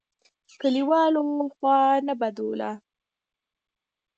کلیوالو خوا نه بدوله.